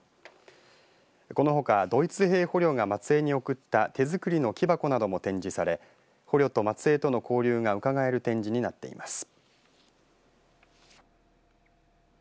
このほかドイツ兵捕虜が松江に贈った手作りの木箱なども展示され捕虜と松江との交流がうかがえる展示になっています。